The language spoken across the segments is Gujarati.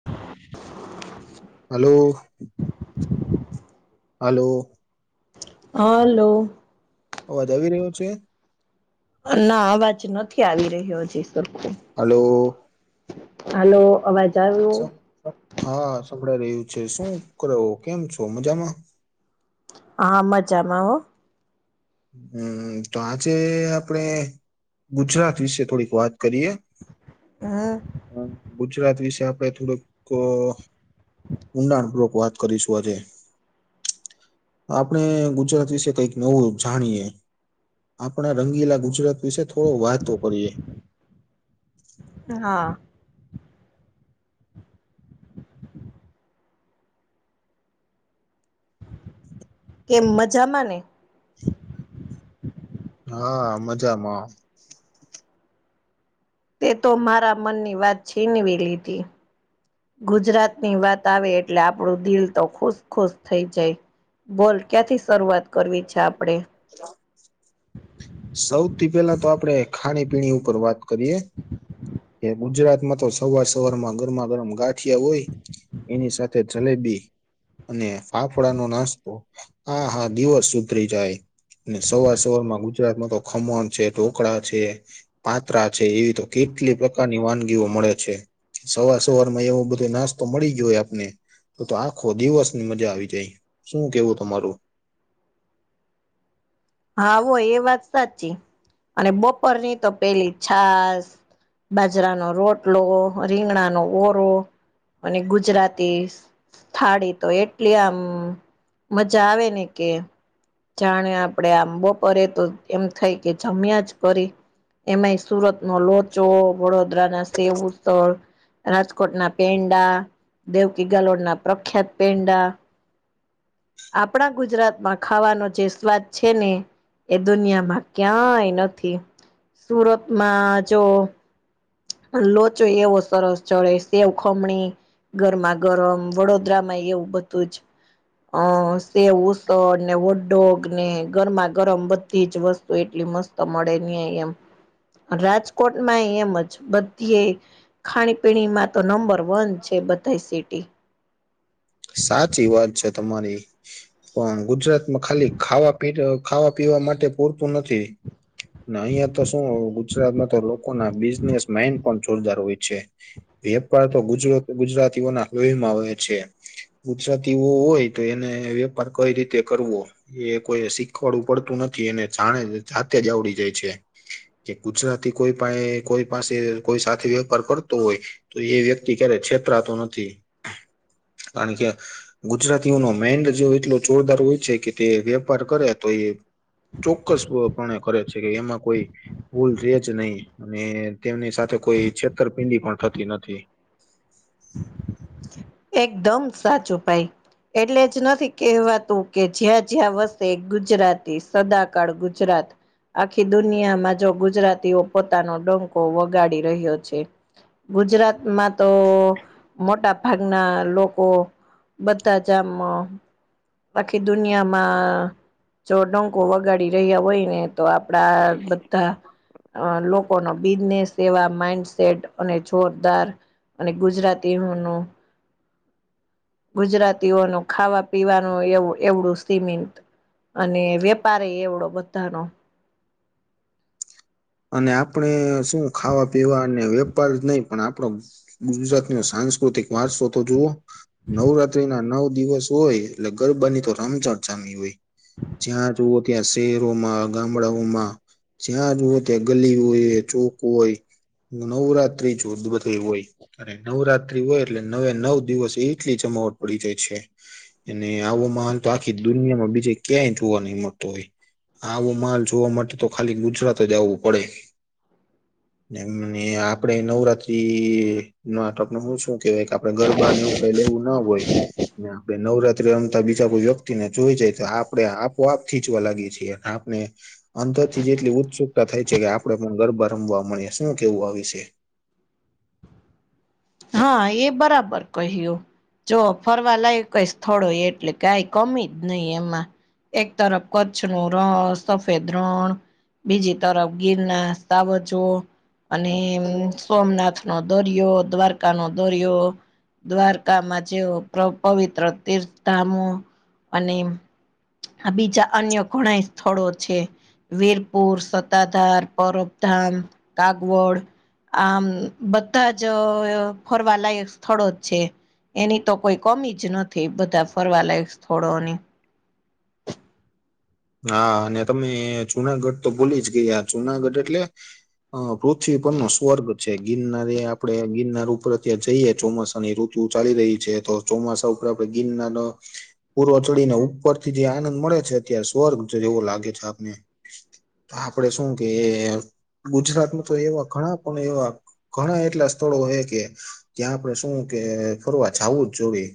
[unintelligible] હલો. હલો. હલો અવાજ આવી રહ્યો છે.? ના અવાજ નથી આવી રહ્યો છે સરખો હલો. ! હાલો અવાજ આવ્યો હા સંભળાઈ રહ્યું છે શું કરો કેમ છો મજામાં? હા મજામાં હો. હમ તો આજે આપડણે ગુજરાત વિશે થોડીક વાત કરીએ હા. હ ગુજરાત વિશે આપડ થોડુંક ઊંડાણપૂર્વક વાત કરીશું આજે, આપડણે ગુજરાત વિશે કઈક નવું. જાણીએ આપણા રંગીલા ગુજરાત વિશે થોડો વાતો કરીએ. હા. કે મજા માં ને? હા મજામાં. તે તો મારા મનની વાત છીનવી લીધી. ગુજરાતની વાત આવે એટલે આપણું દિલ તો ખુશ ખુશ થઈ જાય. બોલ ક્યાંથી શરૂઆત કરવી છે આપડે? સૌથી પેલા તો આપડે ખાણીપીણી ઉપર વાત કરીએ. કે ગુજરાતમાં તો સવાર સવાર માં ગરમા ગરમ ગાંઠિયા હોય. એની સાથે જલેબી અને ફાફળાનો નાસ્તો હા હા દિવસ સુધરી જાય. સવાર સવારમાં ગુજરાતમાં તો ખમણ છે ઢોકળા છે. પાત્ર છે એવી તો કીટ કેટલી પ્રકારની વાનગીઓ મળે છેવ સવાર સવાર માં એવું બધું નાસ્તો મળી ગય આપને તો તો આખો દિવસ ની મજા આવી જાય. શું કેવું તમારું.? હા હોય એ વાત સાચી અને બપોરની તો પેલી છાસ. બાજરાનો રોટલો રીંગણાનો ઓરો અને ગુજરાતી. થાળી તો એટલી આમ મજા આવે ને કે જાણે આપડે આંબો પે તો એમ થાય કે જમ્યા જ પ એમાંય સુરત ન લોચો વડોદરાના સેવું સ્થળ રાજકોટના પેંડા દેવકી ગલોડ ના પ્રખ્યાત પેંડા આપણા ગુજરાતમાં ખાવાનો જે સ્વાદ છે ને. એ દુનિયામાં ક્યાંય નથી સુરતમાં જો- લોચો એવો સરસ ચડે સેવ ખમણી ગરમા ગરમ વડોદરા માં એવું બધું જ અ સેવું ને વડો ને ગરમા ગરમ બધી જ વસ્તુ એટલી મસ્ત મળે ની એમ રાજકોટમાં એમજ બધી ખાણીપીણીમાં તો નંબર વંન છે બતાઈ સિટી સાચી વાત છે તમારી પણ ગુજરાતમાં ખાલી ખાવા પ ખાવા પીવા માટે પૂરતું નથી. અહિયાં તો શું ગુજરાતમાં તો લોકો ના બિઝનેસ માઈન્ડ પણ જોરદાર હોય છે વેપાર તો ગુજ ગુજરાતીઓના લોહીમાં આવે છે. ગુજરાતીઓ હોય તો એને વેપાર કઈ રીતે કરવો એ કોઈ શીખવાડું પડતું નથી, એને જાણે જાતે જ આવડી જાય છે. કે ગુજરાતી કોઈ પણ કોઈ પાસે કોઈ સાથે વેપાર કરતો હોય. તો એ વ્યક્તિ ક્યારે છેતરાતો નથી. અન કે ગુજરાતીઓનો મેન્ડ જો એટલો જોરદાર હોય છે કે તે વેપાર કરે તો એ ચોક્કસપણે કરે છે કે એમાં કોઈ ભૂલ રેજ નહી અને તેમની સાથે કોઈ છેતરપિંડી પણ થતી નથી. [inaudible] એકદમ સાચું ભાઈ. એટલે જ નથી કેહેવાતું કે જ્યાં જ્યાં વસે ગુજરાતી સદાકાળ ગુજરાત આખી દુનિયામાં જો ગુજરાતીઓ પોતાનો ડંકો વગાડી રહ્યો છે. ગુજરાતમાં તો મોટા ભાગના લોકો બધા જમ આખી દુનિયામાં જો ડંકો વગાડી રહ્યા હોય ને તો આપડા બધા અ લોકોનો બિઝનેસ એેવા માઈન્ડસેટ અને જોરદાર અને ગુજરા તી હુનું ગુજરાતીઓનું ખાવા પીવાનું એવું એવડું સીમીત અને વેપારી એવડો બધાનો અને આપણે શું ખાવા પીવા અને વેપાર જ નહી પણ આપડો ગુજરાતનો સાંસ્કૃતિક વારસો તો જુઓ. નવરાત્રી ના નવ દિવસ હોય એટલે ગરબાની તો રમઝટ જામી હોય. જ્યાં જુવો ત્યાં શહેરોમાં ગામડાઓમાં જ્યાં જુઓ કે ગલી હોય ચોક હોય નવરાત્રી ઓજ બધે હોય. અને નવરાત્રી હોય એટલે નવે નવ દિવસ એટલી જમાવટ પડી જાય છે. અને આવો માાલ તો આખી દુનિયામાં બીજે ક્યાંય જોવા નહી મળતો હોય. આવો માલ જોવા માટે તો ખાલી ગુજરાત જ આવવું પડે. એમને આપડે નવરાત્રી [unintelligible] છું કેવાય કે આપડે ગરબાને એવું કઈ લેવું ના હોય. આપડે નવરાત્રી રમતા બીજા કોઈ વ્યક્તિને જોઈ જય તો આપડે આપોઆપ ખીચવા લાગીએ છીએ અને આપણે અંદર થી જેટલી ઉત્સુકતા થાય છે કે આપડે પણ ગરબા રમવા મળે શું કેવું આ વિશે. હા એ બરાબર કહ્યું. જો ફરવા લાયક કઈ સ્થળો એટલે કઈ કમી જ નઈ એમાં. એક તરફ કચ્છ નું રણ સફેદ રણ. બીજી તરફ ગીરના સાવજો. અને સોમનાથ નો દોરિયો, દ્વારકા નો દોરિયો. દ્વારકામાં જેવ પ પવિત્ર તીર્થ ધામો અને આ બીજા અન્ય ઘણાય સ્થળો છે. વીરપુર, સત્તાધાર, પરબધામ, કાગવડ. આમ બધા જ અ ફરવાલાયક સ્થળો જ છે. એની તો કોઈ કમી જ નથી બધા ફરવા લાયક સ્થળો ની. હા અને તમે જુનાગઢ તો ભૂલીજ ગયા જુનાગઢ એટલે અ પૃથ્વી પર નો સ્વર્ગ છે ગિરનાર એ આપડે ગિરનાર ઉપર ત્યાં જઈએ ચોમાસાની ઋ તું ચાલી રહી છે તો ચોમાસા ઉપર આપડે ગિરનાર નો પૂર્વ ચડીને ઉપરથી જે આનંદ મળે છે અત્યારે સ્વર્ગ જેવો લાગે છે આપને. તો આપડે શું કે ગુજરાતમાં તો એવા ઘણા પણ એવા ઘણા એટલા સ્થળો હે કે ત્યાં આપડે શું કે ફરવા જાવું જ જોયે.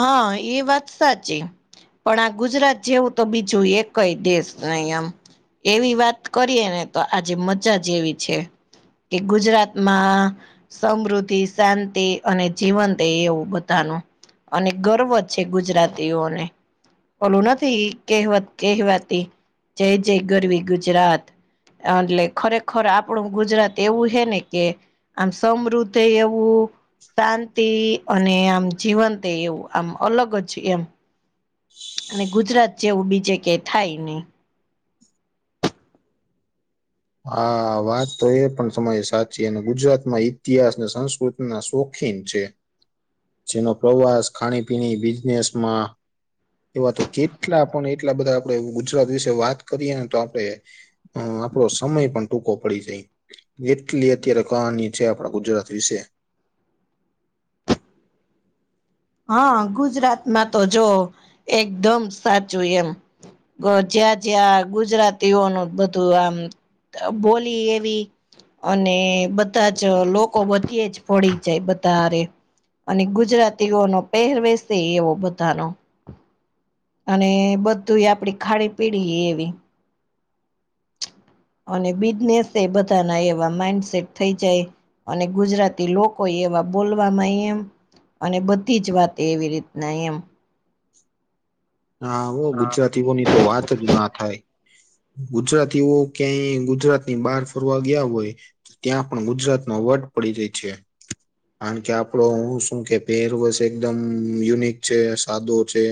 હા એ વાત સાચી. પણ આ ગુજરાત જેવું તો બીજું એકય દેશ નહી એમ. એવી વાત કરીએ ને તો આજે મજા જેવી છે. કે ગુજરાતમાં. સમૃદ્ધિ શાંતિ અને જીવંત એવું બધાનું. અને ગર્વ છે ગુજરાતીઓને. ઓલું નથી કહેવત કહેવાતી જય જય ગરવી ગુજરાત. એટલે ખરેખર આપણું ગુજરાત એવું હે ને કે. આમ સમૃદ્ધિ એવું શાંતિ અને આમ જીવન. તે એવું આમ અલગજ એમ. અને ગુજરાત જેવું બીજે ક્યાં થાય નહી. હા વાત તો એ પણ સમયે સાચી અને ગુજરાતમાં ઇતિહાસ અને સંસ્કૃતિના શોખીન છે. જેનો પ્રવાસ ખાણીપીણી બિઝનેસમાં. એવા તો કેટલા પણ એટલા બધા આપડે ગુજરાત વિશે વાત કરીએ ને તો આપડે. હમ આપડો. સમય પણ ટૂંકો પડી જાય જેટલી અત્યારે કહાની છે આપણા ગુજરાત વિશે. હા ગુજરાતમાં તો જો એકદમ સાચું એમ. જ્યાં જ્યાં ગુજરાતીઓનું બધું આમ. બોલી એવી. અને બધાજ લોકો બધીજ પડી જાય બાધા હારે. અને ગુજરાતીઓનો પહેરવેશે એવો બધાનો. અને બધું આપડી ખાડી પીડી એવી. અને બિઝનેસ એ બધાના એવા માઇન્ડસેટ થઈ જાય. અને ગુજરાતી લોકો એવા બોલવામાં એમ. અને બધીજ વાતે એવી રીતના એમ. હા હો ગુજરાતીઓનીતો વાતજ ના થાય. ગુજરાતીઓ ક્યાંય ગુજરાત ની બહાર ફરવા ગયા હોય. તો ત્યાં પણ ગુજરાત નો વટ પડી જાય છે. કારણ કે આપડો હું શું કે પહેરવસ એકદમ યુનિક છે સાદો છે.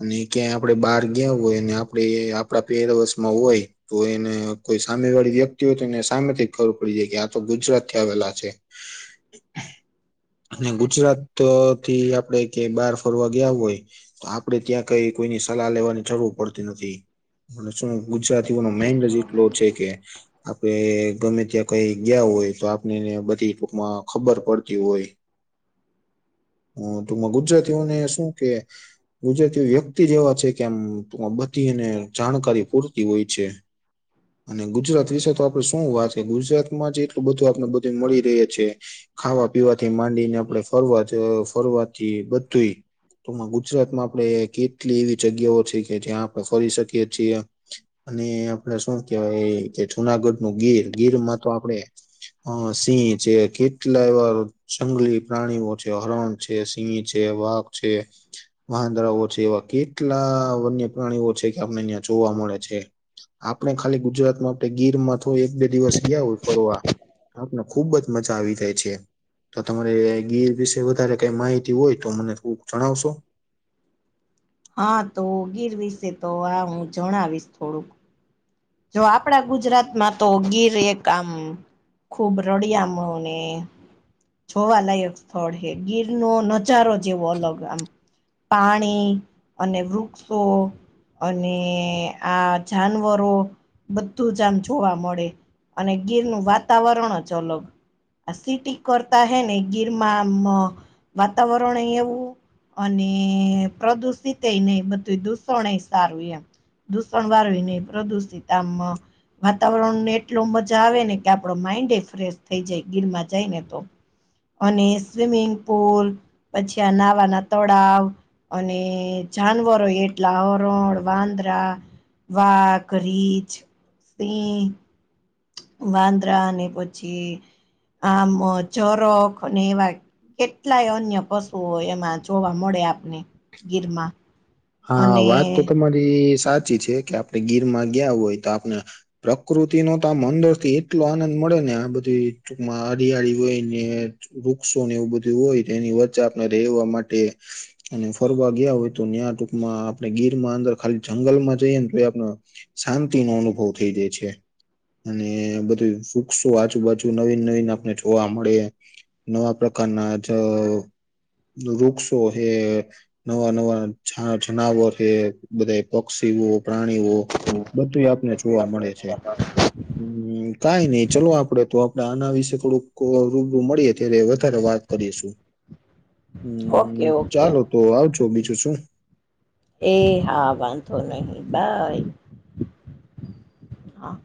અને ક્યાંય આપડે બહાર ગયાવ હોય આપણે આપણા પેરવસમાં હોય તો એને કોઈ સામે વાળી વ્યક્તિ હોય તો એને સામેથી ખબર પડી જાય કે આ તો ગુજરાત થી આવેલા છે. અને ગુજરાત થી આપડે કે બહાર ફરવા ગયા હોય. તો આપડે ત્યાં કઈ કોઈની સલાહ લેવાની જરૂર પડતી નથી. શું ગુજરાતીઓનો માઈન્ડ જ એટલો છે કે. આપે ગમે ત્યાં કઈ ગયા હોય તો આપણેને બધીૂકમાં. ખબર પડતી હોય હ તો ગુજરાત. વ્યક્તિઓ ને શું કે ગુજરાતી વ્યક્તિ જેવા છે કે આમ તું આમ બધી એને જાણકારી પૂરતી હોય છે અને ગુજરાત વિશે તો આપ આપ શું વાત છે ગુજરાતમાં જ એટલું બધું આપને બધું મળી રહીએ છે. ખાવા પીવાથી માંડીને આપડે ફરવા જ ફરવાથી બધું તો માં ગુજરાતમાં આપડે કેટલી એવી જગ્યાઓ છે કે જ્યાં આપણે ફરી શક શકીએ છીએ અને આપડે શું કેવાય એ જે જુનાગઢ નું ગીર ગીર માં તો આપડે અ સિંહ જે કે કેટલા એવા જંગલી પ્રાણીઓ છે હરણ છે સિંહ છે વાઘ છે. વાંધરાઓ છે એવા કેટલા વન્ય પ્રાણીઓ છે કે આપને અહં જોવા મળે છે. આપણે ખાલી ગુજરાતમાં આપે ગીર માં થું એક બે દિવસ ગયા હોય ફરવા આપણે ખુબ જ મજા આવી જાય. છે તો તમારે ગીર વિશે વધારે કઈ માહિતી હોય તો મને ખૂબ જણાવશો. હા તો ગીર વિશે તો આ હું જણાવીશ થોડુંક. જો આપડા ગુજરાતમાં તો ગીર એક આમ ખૂબ રળિયામણું ને જોવાલાયક સ્થળ હે ગીર નો નજારો જેવો અલગ આમ પાણી અને વૃક્ષો અને આ જાનવરો બધું જ આમ જોવા મળે અને ગીર નું વાતાવરણ જ અલગ આ સિટી કરતા હે ને ગીરમાંમ વાતાવરણ એવું અને પ્રદૂષિત એ નહીં બધું દૂષણ એ સારું એમ. દૂષણ વારવી નહી પ્રદુષિત આમમાં વાતાવરણ ને એટલો મજા આવે ને કે આપડો માઈન્ડ એ ફ્રેશ થઈ જાય ગીરમાં જાય ને તો. અને સ્વિમિંગ પુલ પછી આ નહાવાના તળાવ અને જાનવરો એટલા હરણ વાંદરા વાઘ, રીંછ, સિંહ વાંદરા અને પછી આમ ચોરક અને એવા કેટલાયએ અન્ય પશુઓ એમાં જોવા મળે આપને ગીરમાં. હા અને વાત તો તમારી સાચી છે કે આપણે ગીરમાં ગયા હોય તો આપણે પ્રકૃતિ નો તો આમ અંદર થી એટલો આનંદ મળે ને આ બધી ટૂંકમાં હરિયાળી હોય ને વૃક્ષો ને એવું બધું હોય એની વચ્ચે આપણે રહેવા માટે અને ફરવા ગયા હોય તો ન્યા ટૂંકમાં આપણે ગીર માં અંદર ખાલી જંગલમાં જઈએ ને તો આપણા શાંતિનો અનુભવ થઈ જાય છે. અને બધું વૃક્ષો આજુબાજુ નવીન નવીન આપણે જોવા મળે. નવા પ્રકારના જ વૃક્ષો હે નવા નવા જ જનાવર હે બધા પક્ષીઓ પ્રાણીઓ બધું [unintelligible] તો તે આપણે [unintelligible] હમ્મ કઈ નઈ ચાલો આપડે તો આપડે આના વિશે થોડુંક રૂબરૂ મળીએે ત્યારે વધારે વાત કરીશું હમ્મ ઓકે ઓકે ચાલો તો આવજો બીજું શું. એ હા વાંધો નહીં બાય. હા